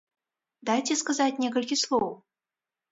Дайце сказаць некалькі слоў!